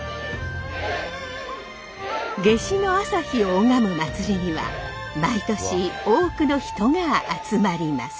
夏至の朝日を拝む祭りには毎年多くの人が集まります。